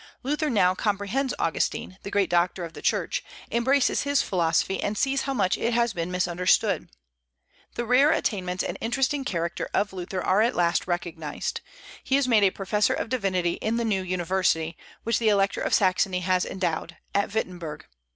Luther now comprehends Augustine, the great doctor of the Church, embraces his philosophy and sees how much it has been misunderstood. The rare attainments and interesting character of Luther are at last recognized; he is made a professor of divinity in the new university, which the Elector of Saxony has endowed, at Wittenberg.